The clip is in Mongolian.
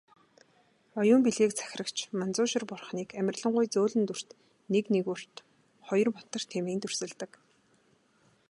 Оюун билгийг захирагч Манзушир бурхныг "амарлингуй зөөлөн дүрт, нэг нигуурт, хоёрт мутарт" хэмээн дүрсэлдэг.